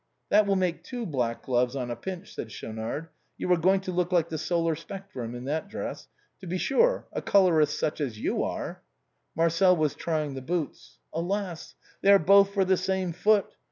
" That will make two black gloves on a pinch," said 40 THE BOHEMIANS OF THE LATIN QUARTER. Schaunard. " You are going to look like the solar spectrum in that dress. To be sure, a colorist such as you are —" Marcel was trying the boots. Alas ! they are both for the same foot